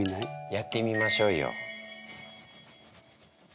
やってみましょうよ。